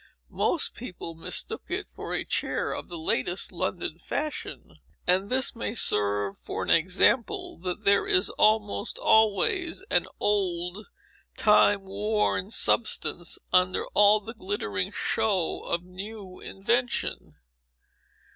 Most people mistook it for a chair of the latest London fashion. And this may serve for an example, that there is almost always an old and time worn substance under all the glittering show of new invention."